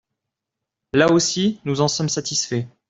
Là aussi, nous en sommes satisfaits.